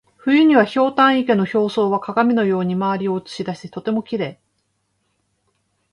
冬には、ひょうたん池の表層は鏡のように周りを写し出しとてもきれい。